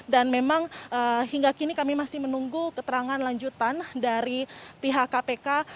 dan memang hingga kini kami masih menunggu keterangan lanjutan dari pihak kpk